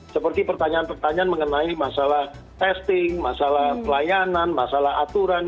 seperti pertanyaan pertanyaan mengenai masalah testing masalah pelayanan masalah aturan